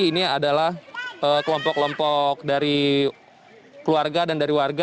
ini adalah kelompok kelompok dari keluarga dan dari warga